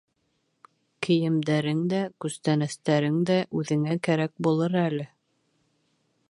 Кейемдәрең дә, күстәнәстәрең дә үҙеңә кәрәк булыр әле.